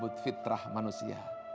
sebut fitrah manusia